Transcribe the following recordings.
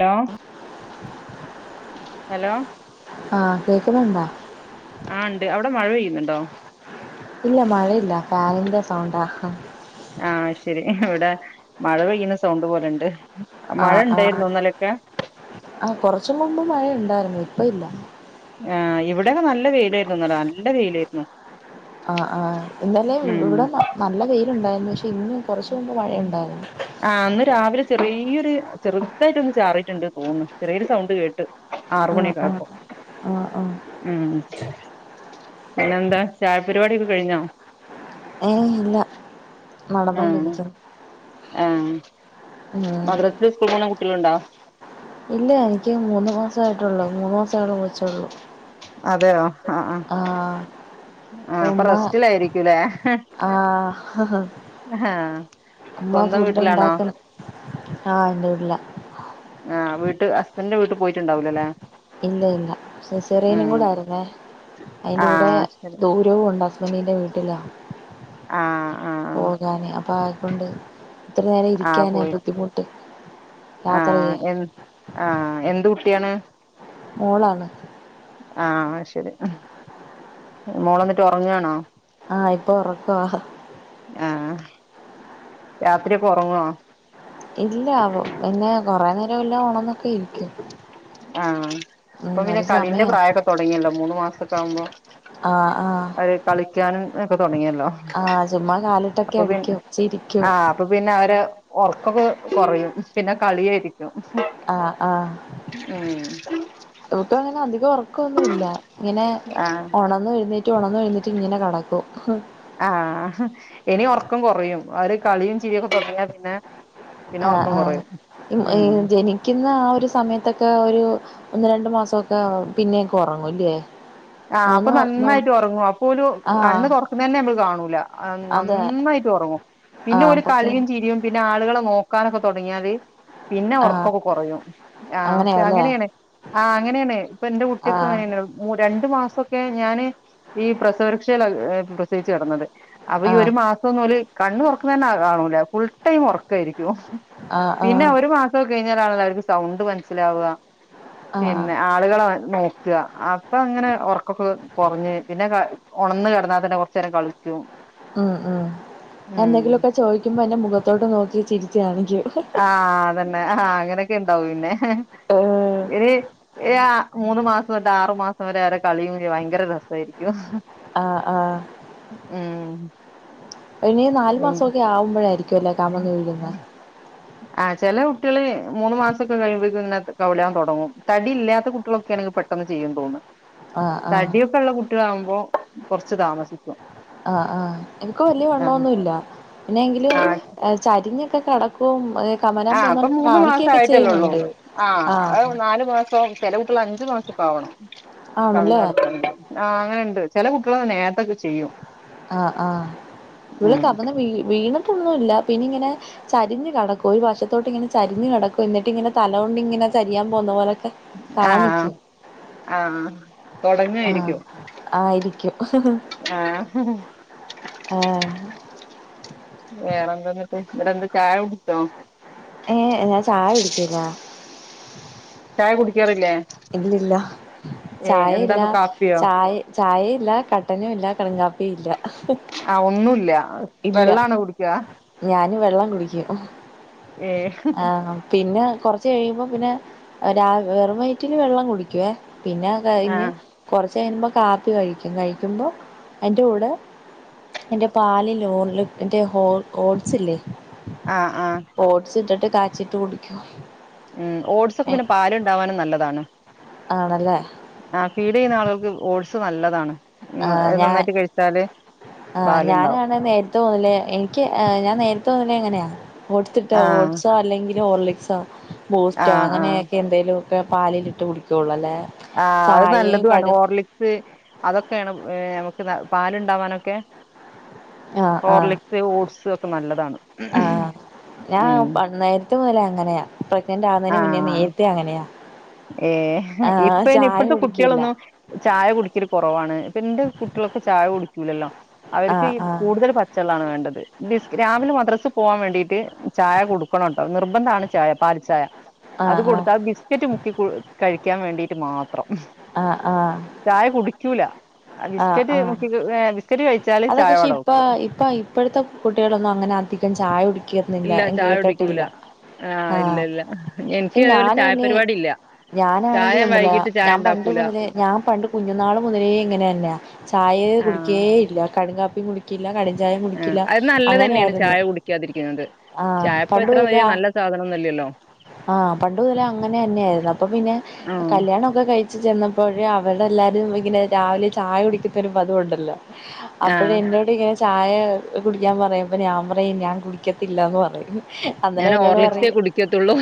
Hello hello ആഹ് കേൾക്കുന്നുണ്ടോ? ആ ഉണ്ട് അവിടെ മഴ പെയ്യുന്നുണ്ടോ? ഇല്ല മഴയില്ല ഫാനിന്റെ സൗണ്ടാ ആഹ് ആ ശരി ഇവിടെ മഴ പെയ്യുന്ന സൗണ്ട് പോലെണ്ട്. മഴ ആഹ് ആഹ് ഉണ്ടായിരുന്നു ഇന്നലൊക്കെ ആഹ് കുറച്ചു മുമ്പ് മഴ ഉണ്ടായിരുന്നു. ഇപ്പ ഇല്ല. ആഹ് ഇവിടെയൊക്കെ നല്ല വെയിലായിരുന്നു ഇന്നലെ. നല്ല വെയിലായിരുന്നു. ആഹ് ആഹ് ഇന്നലേം ഉം ഇവിടെ നല്ല വെയിലുണ്ടായിരുന്നു. പക്ഷെ ഇന്ന് കുറച്ചു മുമ്പ് മഴയുണ്ടായിരുന്നു. ആ ഇന്ന് രാവിലെ ചെറിയൊരു ചെറുതായിട്ടൊന്ന് ചാറിയിട്ടുണ്ട് തോന്നുന്ന്. ചെറിയൊരു സൗണ്ട് കേട്ട്. ആഹ് ആറുമണിയൊക്കെ ആഹ് ആയപ്പോ ആഹ് ആഹ് ഉം. പിന്നെന്താ? ചായ പരിപാടിയൊക്കെ കഴിഞ്ഞോ? ഏഹ് ഇല്ല ആഹ് നടന്നോണ്ടിരിക്കുന്നു. ആഹ് ഉം മദ്രസില് സ്കൂളിൽ പോണ കുട്ടികളുണ്ടോ? ഇല്ല. എനിക്ക് മൂന്ന് മാസം ആയിട്ടുള്ളൂ. മൂന്ന് മാസൊള്ള കൊച്ചൊള്ളൂ. അതെയോ ആഹ് ആഹ്. ആഹ് അപ്പൊ ഉമ്മ റെസ്റ്റിലായിരിക്കൂലേ. ആഹ് ഹ ഹ അമ്മ സ്വന്തം ഫുഡ് വീട്ടിലാണോ ഉണ്ടാക്കല ആഹ് എന്റെ വീട്ല. ആ വീട്ട് ഹസ്ബൻഡറിന്റെ വീട്ട് പോയിട്ടുണ്ടാവില്ല അല്ലേ. ഇല്ല ഇല്ല. സിസേറിയനും കൂടെ ആയിരുന്നേ. അതിന്റെറെ കൂടെ ആഹ് ശരി ദൂ രോം ഉണ്ട് ഹസ്ബൻ്റിന്റെ വീട്ടിലാ ആഹ് ആഹ് പോകാന്. അപ്പൊ ആയകൊണ്ട് ഇത്ര നേരം ആഹ് ഇരിക്കാന് പോയി ബുദ്ധിമുട്ട് യാത്ര ആഹ് ചെയ്യാൻ എൻ ആഹ് എന്ത് കുട്ടിയാണ്? മോളാണ്. ആഹ് അതുശരി. മോളന്നിട്ട് ഉറങ്ങാണോ? ആഹ് ഇപ്പൊ ഉറക്കാ ആ രാത്രി ഒക്കെ ഉറങ്ങോ? ഇല്ല. അവ പിന്നെ കുറേ നേരം എല്ലാം ഉണർന്നൊക്കെ ഇരിക്കും. ആ ഉം, ഇപ്പം പിന്നെ ഒരു കളീന്റെ സമയമാണ് പ്രായമൊക്കെ തുടങ്ങിയല്ലോ. മൂന്ന് മാസം ഒക്കെ ആവുമ്പോ. ആഹ് ആഹ് അവര് കളിക്കാനും ഒക്കെ തുടങ്ങിയല്ലോ. ആ ചുമ്മാ കാലിട്ടൊക്കെ അടിക്കും ചിരിക്കും. അപ്പ പിന്നെ അവര് ഉറക്കൊക്കെ കുറയും. പിന്നെ കളിയായിരിക്കും ആഹ് ആഹ് ഉം ഓല്ക്കങ്ങനെ അന്തിക്ക് ഒറക്കൊന്നുല്ല ഇങ്ങനെ ആഹ് ഒണന്നും എഴുന്നേറ്റു ഒണന്ന് ഏഴുന്നേറ്റ് ങ്ങനെ കടക്കും ആഹ് ഇനി ഒറക്കം കൊറയും അവര് കളിയും ചിരിയൊക്കെ തൊടങ്ങിയാ പിന്നെ പിന്നെ ഒറക്കം ആഹഹ് കൊറയും ആഹ് ജനി ഉം ജനിക്കുന്ന ആ ഒരു സമയത്തൊക്കെ ഒരു ഒന്ന് രണ്ട മാസൊക്കെ പിന്നൊക്കെ ഉറങ്ങൂല്ലേ ആഹ് അപ്പൊ മൂന്ന് മാ മൂ നന്നായിട്ട് ഉറങ്ങും അപ്പോല് ആഹ് കണ്ണ് തൊറക്ക്‌ണതെന്നെ ഞമ്മള് കാണൂല അതെ നന്നായിട്ട് ഉറങ്ങും ആഹ് പിന്നെ പക്ഷെ കളിയും ചിരിയും പിന്നെ ആളുകളെ നോക്കാനൊക്കെ തൊടങ്ങിയാല് പിന്നെ ആഹ് ഉറക്കൊക്കെകൊറയും ആഹ്ഒ ക്കെ അങ്ങനെയാല്ലേ അങ്ങനേ ണ് ആഹ് അങ്ങനെണ് ഇപ്പൊന്റെ കുട്ടിയൊക്കെ ആഹ് അങ്ങനെണ് രണ്ടു മാസക്കെ ഞാന് ഈ പ്രസവരക്ഷേ ലാ പ്രസവിച്ചു കടന്നത് അപ്പൊ ഈ ആഹ് ഒരു മാസം ഒന്നും ഓല് കണ്ണ് തുറക്ക്‌ണതെതന്നെ കാണൂല ഫുൾ ടൈം ഉറക്കായിരിക്കും ആഹ് പിന്നെ ആഹ് ഒരു മാസൊക്കെ കഴിഞ്ഞാലാണല്ലോ അവർക്ക് സൗണ്ട് മനസ്സിലാവ ആഹ് പിന്നെ ആളുകളെ നോക്കാ ആ ഇപ്പൊങ്ങനെ ഉറക്കൊക്കെ കൊറഞ്ഞ് പിന്നെ ക ഉണന്ന് കടന്നാതന്നെ കുറച്ചേരം കളിക്കും ഉം ഉം ഉം എന്തെങ്കിലൊക്കെ ചോദിക്കുമ്പോ എന്നെ മുഖത്തോട്ട് നോക്കി ചിരിച്ച്ച് കാണിക്കും ആഹ് അതന്നെ ആഹ് അങ്ങനൊക്കെണ്ടാവും പിന്നെ ഏഹ് എടീ ഏയ് മൂന്ന മാസംതൊട്ട് ആറു മാസം വരെ അവരെ കളിയും ഭയങ്കര രസായിരിക്കും ആഹ് ആഹ് ഉം അയിന് നാല് മാസൊ ക്കെ ആവുമ്പോഴായിരിക്കും ല്ലേ കമഴ്ന്ന് വീഴുന്നത് [inaudible] ആ് ചില കുട്യാള് മൂന്ന് മാസൊക്കെ കഴിയുമ്പോേഴേക്കും ങ്ങനെ കൗലാന് തൊടങ്ങും തടിയില്ലാത്ത കുട്ടിളൊക്കെണെങ്കി പെ പെട്ടെന്ന് ചെയ്യും തോന്ന്ണ് ആഹ് ആഹ് തടിയൊക്കെള്ള കുട്യാളാവുമ്പോ കൊറച്ച് താമസിക്കും ആഹ് ആഹ് എനിക്ക് വല്യ ആഹ് വണ്ണന്നുല്ല പിന്നെങ്കിലും ആഹ് ചരിഞ്ഞൊക്കെ കടക്കും ഹ് ആഹ് ഇപ്പൊ മൂന്ന് മാസ ആയിട്ടല്ല്ള്ളൂ ആഹ് അഹ് നാലു മാസോം ചെല കുട്യോള് അഞ്ച് മാസൊക്കെ ആവണം കമിഴ്ന്ന് ആണല്ലേ കടക്കണെങ്കി ആഹ് അങ്ങനെണ്ട് ചെല കുട്യോളോക്കെ നേരത്തൊക്കെ ചെയ്യും ആഹ് ആഹ് ഇവള് ഉം കമിഴ്ന്നു വീ വീണിട്ടൊന്നുല്ല പിന്നിങ്ങനെ ചരിഞ്ഞു കടക്കു ഒരു വശത്തോട്ട്ങ്ങനെചരിഞ് കടക്കും എന്നിട്ട്ങ്ങനെ തല കൊണ്ടിങ്ങനെ ചരിയാൻ പോവുന്ന പോലൊക്കെ ആഹ് കാണിക്കും ആഹ് ആഹ് ആഹ് ആഹ് തുടങ്ങായിരിക്കും ആയിരിക്കും ആഹ് ആഹ് വേറെന്താന്നിട്ട് ബെടെന്ത്‌ ചായുടിച്ചോ? ഏഹ് ഞാൻ ചായ കുടിക്കേല്ല. ചായ കുടിക്കാറില്ലേ? ഇല്ലല്ല ഏഹ് ചായല്ല എന്താപ്പൊ കാപ്പിയോ ചായ ചായേല്ല കട്ടനും ഇല്ല കടും കാപ്പിയില്ല ആഹ് ഒന്നൂല്ല ഹ് ഇല്ല ഞാന് വെള്ളം കുടിക്കും ഏഹ് ആഹ് പിന്നെ കൊറച്ച് കഴിയുമ്പോ പിന്നെ രാവ് വെറും വയറ്റില് വെള്ളം കുടിക്കുവേ പിന്നെ കഴിഞ് ആഹ് കൊറച്ച് കഴിയുമ്പോ കാപ്പി കഴിക്കും കഴിക്കുമ്പോ അയിന്റെ കൂടെ എന്റെ പാലിൽ [unintelligible] ഓഡ്സില്ലേ ആഹ് ആഹ് ഓട്സിട്ടിട്ട് കാച്ചീട്ട് കുടിക്കും ഉം ഓട്സൊക്കെ പിന്നെ പാല്ണ്ടാവാനും നല്ലതാണ് ആണല്ലേ ആഹ് ഫീഡ്യ്യുന്ന ആളുകൾക്ക് ഓട്സ് നല്ലതാണ് ഉം ആഹ് അത് ഞാ നന്നായിട്ട് കഴിച്ചാല് ആഹ് പാലുണ്ടാവും ഞാനാണ് മേ തോന്നില്ലേ എനിക്ക് ഏഹ് ഞാൻ നേരത്തെ മുതലേ ങ്ങനെയാ ഓട്ട്സ് ഇട്ടാ ആഹ് ഓട്സാ ല്ലെങ്കില് ഓർലിക്സോ ബൂസ്റ്റോ ആഹ് ആഹ് അങ്ങനെയൊക്കെ എന്തേലൂക്കെ പാലിലിട്ട് കുടിക്കോള്ളൂ അല്ലേ ആഹ് അഹ് ചായയും നല്ലതുആണ് കടും ഓർലി സ് അതൊക്കെണ് ഏഹ് നമുക്ക് പാലുണ്ടാവാനൊക്കെ ആഹ് ആഹ് ഓർലി സ് ഓട്സ് ഒക്കെ നല്ലതാണ് ആഹ് ഞാൻ ഉം പ നേര്ത്തെ മുതലേ അങ്ങനെയാ പ്രഗ്നന്റ് ആകുന്നതിന് മന്നേ ആഹ് നേരത്തെ അങ്ങനെയാ ഏഹ് ആഹ് ഇപ്പയ്ന് ചായ ഇപ്പത്തെ കുടിക്കില്ല കുട്ടിളൊന്നു ചായ കുടിക്കല് കുറവാണ് ഇപ്പൊ എന്റെ കുട്ടികളൊക്കെ ചായ കുടിക്കൂലല്ലോ അവർക്ക്ഈ ആഹ് ആഹ് കൂടുതൽ പ ച്ചള്ളാണ് വേണ്ടത് ബിസ് രാവിലെ മദ്രസിൽ പോആൻ വേണ്ടിട്ട് ചായ കൊടുക്കണംട്ടോ നിർബന്ധണ് ചായ പാൽ ചായ അത് ആഹ് ആഹ് കൊടുത്ത അത് ബിസ്കറ്റ് മുക്കി കു കഴിക്കാൻ വേണ്ടിട്ട് മാത്രം ആഹ് ആഹ് ചായ കുടിക്കൂല ആഹ് ബിസ്കറ്റ് ആഹ് മുക്കികു ഏഹ് ബിസ്ക്കറ്റ് കഴിച്ചാല് ചായ വട വെക്കും പ്പ ഇപ്പോഴത്തെ കുട്ടിളൊന്നും അങ്ങനെ അധികം ചായ കുടിക്കിന്നില്ല ഇല്ല ഞാൻ ചായ കേട്ടിട്ടില്ല കുടിക്കൂല ആഹ് ഇല്ല ഇല്ല പക്ഷെ എനിക്ക് അതേപോലെ ചായ ഞാനയിന് പരിപാടി ഇല്ല ചായ ഞാനാണെങ്കിലുണ്ടല്ലോ വൈകിട്ട് ചായ ഞാൻ പണ്ട് ഉണ്ടാക്കൂല മുതലേ ഞാൻ പണ്ട് കുഞ്ഞുനാൾ മുതലേ ഇങ്ങനെയല്ല ചായേ ആഹ് കുടികേ ഇല്ല കടുങ്കാപ്പിയും കുടി ക്കില്ല കടഞ്ചായെം ആഹ് കുടിക്കില്ല അത് നല്ലത് അങ്ങനെ തന്നെയാണ് ആയിരുന്നു ചായ കുടിക്കാതിരിക്കുന്നത് ആഹ് ചായപ്പ ഇത്ര പണ്ടുല വലിയ നല്ല സാധനൊന്നുംല്ലല്ലോ ആഹ് പണ്ടുതലേ അങ്ങനെന്നെയായിരുന്നു അപ്പ പിന്നെ ആഹ് കല്യാണ ക്കെ കഴിച്ചു ചെന്നപ്പോഴേ അവിടെ എല്ലാരും ഇങ്ങനെ രാവിലെ ചായ കുടിക്കുത്തൊരു പതുവുണ്ടല്ലോ ആഹ് അപ്പോയെന്നോട് ങ്ങനെ ചായ കുടിക്കാൻ പറയും അപ്പം ഞാൻ പറയും ഞാൻ കുടിക്കത്തില്ല ന്ന് പറയും അന്നേരം ഞാന് എന്നോട് ഓർളിക്സെ പറയും കുടിക്കത്തുള്ളൂ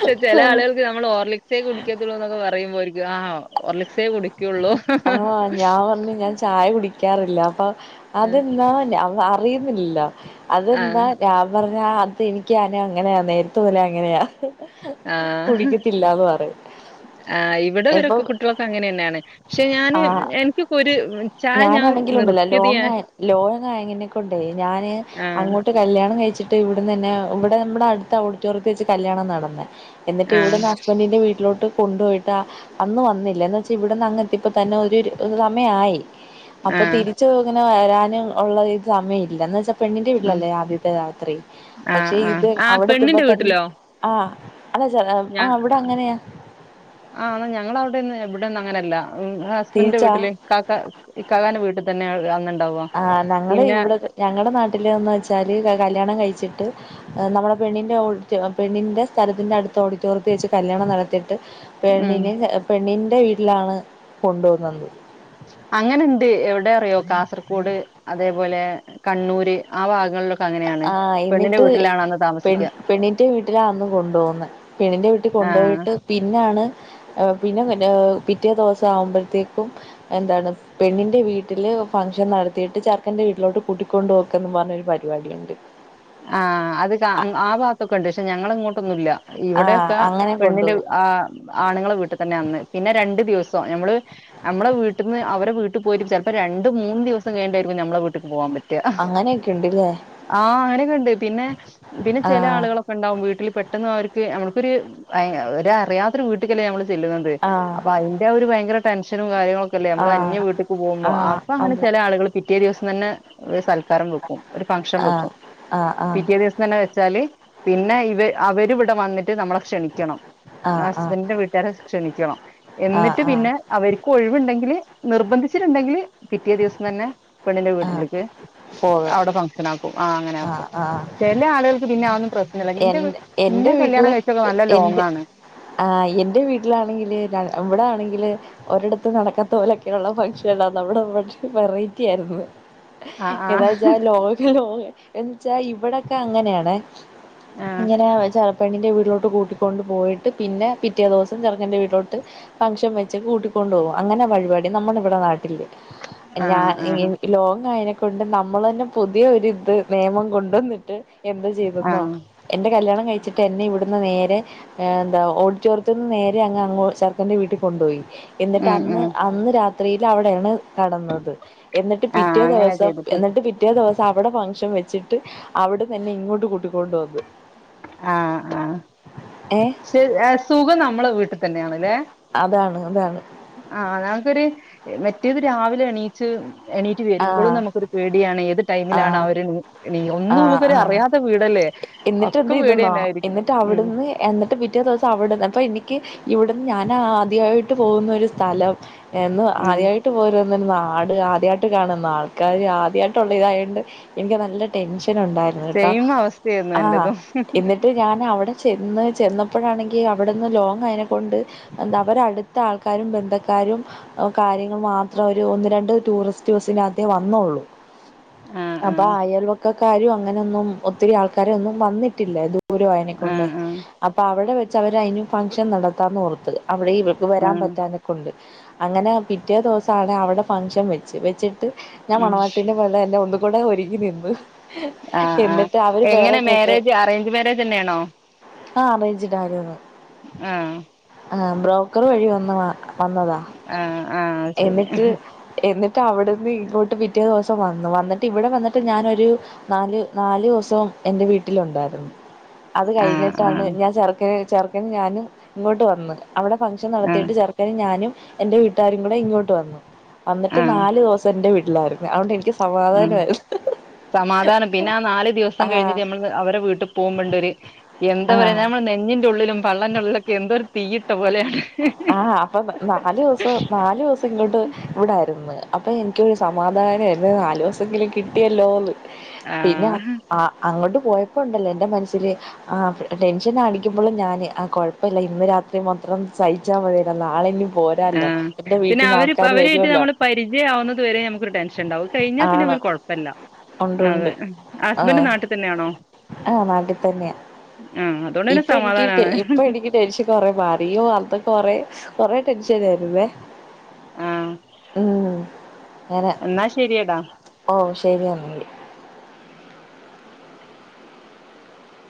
ക്ഷെ ചില ആളുകൾ നമ്മൾ ഓർലിക്സേക്ക് കുടിക്കത്തുള്ളൂ എന്നൊക്കെ പറയുമ്പോ ഓര്ക് ആഹോ ഒർലിക്സെ കുടിക്കോള്ളൂ പറഞ്ഞ് ഞാൻ ചായ കുടിക്കാറില്ല അപ്പ ആഹ് അതെന്താ അ അറിയുന്നില്ല. ആഹ് അതെന്താ ഞാൻ പറഞ്ഞ അത് എനിക്ക്ന അങ്ങനെയാ നേരത്തെ പോലെ അങ്ങനെയാ ആഹ് കുടിക്കത്തില്ലാന്ന് പറയും ആ ഇവിടെ ഇപ്പം വരൊക്കെ കുട്ടികളൊക്കെ അങ്ങനെ തന്നെയാണ് പക്ഷെ ഞാന് ആഹ് എനിക്ക് ഒരു ഒരു ചായ ഞാൻ ഞാനാണെങ്കിലുണ്ടല്ലോ നിർത്തിയത് ഞാൻ കൊണ്ടോയ് ഞാൻ ആഹ് അങ്ങോട്ട് ട്ട് കല്യാണം കഴിച്ചിട്ട് ഇവിടന്ന് തന്നെ ഇവിടെ നമ്മുടെ അടുത്ത ഓഡിറ്റോറിയത്തിൽ വെച്ച് കല്യാണം നടന്നത് എന്നിട്ട് ആഹ് ഇവിടെന്ന് ഹസ്ബൻറിന്റെ വീട്ടിലോട്ട് കൊണ്ട് പോയിട്ട് അന്ന് വന്നില്ല എന്ന് വെച്ചാ ഇവിടെ ഇവിട്ന്ന് അങ്ങെത്തിയപ്പോ തന്നെ സമയായി അപ്പൊ ആഹ് തിരി ച്ച് ഇങ്ങനെ വരാനും ഉള്ള സമയമില്ല എന്ന് വെച്ചാ പെണ്ണിന്റെ ആഹ് വീട്ടിലല്ലേ ആദ്യത്തെ രാത്രി ആഹ് പക്ഷെ ഇത് ആഹ് ആഹ് അവിടെ എത്തുമ്പോ പെണ്ണിന്റെ തന്നെ വീട്ടിലോ ആഹ് എന്നെച്ചാല് ആ അവിടെ അങ്ങനെയാ ആ ഞങ്ങള അവിടെന്ന് ഇവിടേന്നും അങ്ങനല്ല ഹസ്ബൻന്റെ തിരിച്ചാ വീട്ടില് കാക്ക ഇക്കാക്കാന്റെ വീട്ടിൽ തന്നെ അന്നുണ്ടാവാ ആ ഞങ്ങൾ ഇവിടെ ഞങ്ങളുടെ നാട്ടിലന്ന് വെച്ചാല് കല്യാണം കഴിച്ചിട്ട് നമ്മുടെ പെണ്ണിന്റെ പെണ്ണിന്റെ സ്ഥലത്തിന്റെ അടുത്ത ഓഡിറ്റോറിയത്തിൽ വെച്ച് കല്യാണം നടത്തിയിട്ട് ഉം പെണ്ണിനെ പെണ്ണിൻ്റെ വീട്ടിലാണ് കൊണ്ടു പോവുന്നത് അങ്ങനെണ്ട് എവിടെ അറിയോ കാസർകോട് അതേപോലെ കണ്ണൂര് ആ ഭാഗങ്ങളിലൊക്കെ അങ്ങനെയാണ് ആഹ് പെണ്ണിന്റെ എന്നിട്ട് വീട്ടിലാണ് അന്ന് പെൺ താമസിക്കുക പെണ്ണിന്റെ വീട്ടിലാ അന്ന് കൊണ്ടു പോകുന്ന പെണ്ണിന്റെ വീട്ടിൽ ആഹ് കൊണ്ടുപോയിട്ട് പിന്നാണ് പിന്നെ പിന്നെ പിറ്റേ ദിവസം ആകുമ്പോഴത്തേക്കും എന്താണ് പെണ്ണിന്റെ വീട്ടില് ഫംങ്ഷൻ നടത്തിയിട്ട് ചേർക്കൻ്റെ വീട്ടിലോട്ട് കൂട്ടിക്കൊണ്ട്പോക്കന്ന് പറഞ്ഞൊരു പരിപാടിയുണ്ട് ആഹ് അത് ആ ഭാഗത്തൊക്കെ ഉണ്ട് പക്ഷെ ഞങ്ങള ഇങ്ങോട്ടൊന്നുമില്ല ആഹ് ഇവിടെയൊക്കെ അങ്ങനെ പെണ്ണിന്റെ കൊണ്ടുപോകും ആ ആണുങ്ങളെ വീട്ടിൽ തന്നെ അന്ന് പിന്നെ രണ്ടു ദിവസവും ഞമ്മള് നമ്മള വീട്ടിന്ന് അവടെ വീട്ടിൽ പോയിട്ട് ചെലപ്പോ രണ്ട് മൂന്ന് ദിവസം കഴിഞ്ഞിട്ടായിരിക്കും നമ്മളെ വീട്ട്ക്ക് പോകാൻ പറ്റുക [unintelligible] അങ്ങനെയൊക്കെ ഉണ്ട്ല്ലേ ആ അവനെ കണ്ട് പിന്നെ പിന്നെ ചെലേ ആഹ് ആളുകൾ െ ഉണ്ടകും വീട്ടിൽ പെട്ടെന്ന് അവർക്ക് നമുക്കൊരു ഒര അറിയാത്ത ഒരു വീട്ടിൽക്കല്ലേ നമ്മൾ ചെല്ലുന്നത് ആഹ് [unintelligible] അതിന്റെ ഒരു ഭയങ്കര ടെൻഷനും കാര്യങ്ങളൊക്കെല്ലേ നമ്മള് ആഹ് അന്യ വീട്ടേക്ക് പോകുമ്പോ ആഹ് അപ്പൊ അങ്ങനെ അത് ചെല ആളുകൾ പിറ്റേ ദിവസം തന്നെ ഒരു സൽക്കാരം വെക്കും ഒരു ഫംഗ്ഷൻ ആഹ് വെക്കും ആഹ് ആഹ് പിറ്റേ ദിവസം തന്നെ വെച്ചാല് പിന്നെ ഇവ അവര് ഇവിടെ വന്നിട്ട് നമ്മളെ ക്ഷണിക്കണം ആഹ് ആഹ് അസ്ബൻഡിന്റെ വീട്ടുകാരെ ക്ഷണിക്കണം ആഹ് എന്നിട്ട് ആഹ് പിന്നെ അവർക്ക് ഒഴിവുണ്ടെങ്കില് നിർബന്ധിച്ചിട്ടുണ്ടെങ്കില് പിറ്റേ ദിവസം തന്നെ പെണ്ണിന്റെ ആഹ് വീട്ടിലേക്ക് പോകാം അവിടെ ഫംഗ്ഷൻ ആക്കും ആ അങ്ങനെ ആക്കും ആഹ് ആഹ് ചെല ആുകൾക്ക് പിന്നെ അതൊ ന്നും പ്രശ്നമ ഇല്ല എ ഇന്റെ നിന്നെ കല്യാണം കഴിച്ചൊക്കെ നല്ല ലോങ്ങാണ് ആഹ് എൻറെ വീട്ടിലാണെങ്കില് ഇവിടെ ആണെങ്കില് ഒരിടത്തും നടക്കാത്ത പോലൊക്കെയുള്ള ഫംഗ്ഷനാണ് നമ്മടെ വെറൈറ്റി ആയിരുന്നു ആ ആ എന്നിച്ചാ ലോക ലോക എന്നിച്ചാ ഇവിടെക്കെ അങ്ങനെയാണ്. ആ ഇങ്ങനെ ചെപ്പണിന്റെ വീട്ടിലോട്ട് കൂട്ടിക്കൊണ്ട് പോയിട്ട് പിന്നെ പിറ്റേ ദിവസം ചെറുക്കന്റെ വീട്ടിലോട്ട് ഫംഗഷൻ വെച്ച് കൂട്ടിക്കൊണ്ട്പോകും അങ്ങനെ വഴിപാടി നമ്മളെ ഇവിടെ നാട്ടില് ആ ഞാൻ ആ എനിക് ലോങ്ങായനക്ക കൊണ്ട് നമ്മൾ തന്നെ പുതിയ ഒരിത് നിയമം കൊണ്ടന്നിട്ട് എന്ത് ആ ചെയ്തെന്നോ എന്റെ കല്യാണം കഴിച്ചിട്ട് എന്നെ ഇവിടുന്ന് നേരെ ഏ ന്താ ഓഡിറ്റോറിയത്ത് ന്ന്നേരെ അങ്ങ് ചെറുക്കന്റെ വീട്ടിൽ കൊണ്ടുപോയി എന്നിട്ട് ഉം അന്ന് ഉം അന്ന് രാത്രീൽ അവിടെയാണ് കെടന്നത് എന്നിട്ട് ആ പിറ്റേ അങ്ങനെ ദിവസം ചെയ്തിട്ട് എന്നിട്ട് പിറ്റേ ദിവസം അവിടെ ഫംഗ്ഷൻ വെച്ചിട്ട് അവിട്ന്ന് എന്നെ ഇങ്ങോട്ട് ട്ട് കൂട്ടിക്കൊണ്ട് വന്ന് ആഹ് ആഹ് ഏഹ് ശരി ഏ സുഖം നമ്മളെ വീട്ട് തന്നെണ്ല്ലേ അതാണ് അതാണ് ആഹ് ന മുക്കൊരു മറ്റേത് രാവിലെ എണീച്ച് എണീക്കു എണീറ്റ് ആ വരുമ്പളും നമുക്കൊരു പേടിയാണ് ഏത് ആ ടൈമിലാണ് അവര് നീ ഒന്നും ആഹ് ആഹ് നമുക്കൊരുഅറിയാത്ത വീടല്ലേ എന്നിട്ട് എന്ത് ഒക്കെ പേടി ചെയ്തുന്നോ തന്നായിരിക്കും എന്നിട്ട് ഉം അവിടുന്ന് എന്നിട്ട് പിറ്റേ ദിവസം അവിടുന്ന് അപ്പൊ എനിക്ക് ഇവിടുന്ന് ഞാൻ ആദ്യമായിട്ട് പോകുന്ന ഒരു സ്ഥലം എന്ന് ഉം ആദ്യയിട്ട് പോരുന്നരു നാട് ആദ്യയിട്ട് അതിയായിട്ട് കാണുന്ന ആൾക്കാാര് ആദ്യയിട്ടുള്ള ഇതായണ്ട് എനിക്ക് നല്ല ടെൻഷൻ ഉണ്ടായിരുന്നു കേട്ടോ സെയിം അവസ്ഥയായിരുന്നു ആഹ എന്റതും എന്നിട്ട് ഞാൻവിടെ ചെന്ന് ചെന്നപ്പോഴാണെങ്കിൽ അവിടെന്ന് ലോങ്ങായ്ന കൊണ്ട് എന്താ അവര അടുത്ത ആൾക്കാരും ബന്ധക്കാരും കാര്യങ്ങൾ മാത്രം ഒരു ഒന്ന് രണ്ട് ടൂറിസ്റ്റ് ടൂറിസ്റ്റ് ബസ്സിലകത്തെ വന്നോള്ളൂ ആഹ് അപ്പൊ ആഹ് അയൽവക്കക്കാരും അങ്ങനെയൊന്നും ഒത്തിരി ആൾക്കാരെന്നും വന്നിട്ടില്ല ഇത് ദൂരുവായ്നക്കൊണ്ടേ ആഹ് ആഹ് അപ്പൊ അവിടെ വെച്ച് അവര് അതിന് ഫംഗ്ഷൻ നടത്താന്ന് ഓർത്തത് അവിടെ ഇവർക്ക് വരാൻ ആഹ് പറ്റാനൊക്കെുണ്ട് അങ്ങനെ പിറ്റേ ദിവസം ആണ് അവിടെ ഫങ്ഷൻ വെച്ച് വെച്ചിട്ട് ഞാൻ ഉം മണവാട്ടിൻ്റെ പോലെ തന്നെ ഒന്നുകൂടെ ഒരുങ്ങി നിന്നു ആഹ് ആഹ് എന്നിട്ട് അവര് വേറെ എങ്ങനെ ഡ്രസ്സ് മാരേജ് അറേഞ്ച് മാരേജ് തന്നെയാണോ ആഹ അറാജിടായിരന്ന് ആഹ് ആ ബ്രോക്കർ വഴി വന്ന് വന്നതാ ആഹ് ആഹ് ശരി എന്നിട്ട് എന്നിട്ട് അവിടുന്ന് ഇങ്ങോട്ട് പിറ്റേ ദിവസം വന്നു വന്നിട്ട് ഇവിടെ വന്നിട്ട് ഞാനൊരു നാല് നാലു ദിവസവും എൻ്റെ വീട്ടിലുണ്ടായിരുന്നു അത് ആഹ് കഴിഞ്ഞിട്ടാണ് ആഹ് ഞാൻ ചെറുക്കന് ചെറുക്കന് ഞാനും ഇങ്ങോട്ട് വന്നത് അവിടെ ഫംഗ്ഷൻ ആഹ് നടത്തിട്ട് ചെറുക്കനും ഞാനും എൻ്റെ വീട്ടുകാരും കൂടെ ഇങ്ങോട്ട് വന്നു ന്നിട്ട് ആഹ് നാല് ദോസം എന്റെ വീട്ടിലായിരുന്നു അതുകൊണ്ട് എനിക്ക് ആഹ് സമാധാനയിരുന്നു സമാധാനം പിന്നെ ആ നാല് ദിവസം കഴിഞ്ഞിട്ട് ആഹ് ഞമ്മള് അവരെ വീട്ടി പോകുമ്പോണ്ടൊരു എന്താ പറയാ ആഹ് നമ്മളെ നെഞ്ഞിന്റെ ഉള്ളിലും പള്ളൻ്റെ ഉള്ളിലൊക്കെ എന്താരു തീയിട്ട പോലെയാണ് ആഹ് അപ്പൊ നാല് ദിവസം നാല് ദോസം പ്പ ഇങ്ങോട്ട് ഇവിടായിരുന്നു അപ്പോ എനിക്കൊരു സമാധാനമായിരുന്നു നാലു ദിവസങ്കിലും കിട്ടിയല്ലോ ന്ന് പിന്നെ ആഹ് അങ്ങട്ട് പോയപ്പോ ണ്ടല്ലോ ന്റെ മനസ്സില് ആ ടെൻഷൻ ആടിക്കുമ്പോളും ഞാന് ആ കുഴപ്പല്ല ഇന്ന് രാത്രി മാത്രം സഹിച്ചാമതിയല്ലോ നാളിഞ്ഞി ആ പിന്നെ അവര് പ്പ അവരായിട്ട് വരുവല്ലോ നമ്മള് പരിചയ ആവുന്നത് വരെ നമുക്കൊരു ടെൻഷൻ ഉണ്ടാവുംഅത് കഴിഞ്ഞാൽ പിന്നെ ആണ് അവര്കൊഴാപ്പ കൊയ്പ്പല്ല ഉണ്ട് അതെ ഉണ്ട് ഹസ്ബൻഡ് ആഹ് നാട്ടി തന്നെയാണോ ആഹ് അതുകൊണ്ട് പിന്നെ ഇപ്പ എനിക്ക് സമാധാനാണ് ഇപ്പ എനിക്ക് ടെൻഷൻ കൊറെ മാറിയെ അത കൊറെ കൊറെ ടെൻഷന ആയിരുന്നേ ആഹ് ഉം അങ്ങനെ എന്നാ ശരിയെടാ ഓ ശരി എന്നൽ